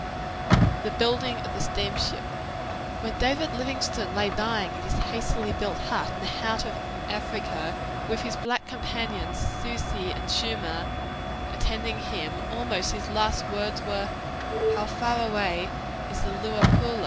1906) The Building of the Steamship When David Livingstone lay dying in his hastily built hut, in the heart of Africa, with his black companions Susi and Chumah attending him, almost his last words were, "How far away is the Luapula?"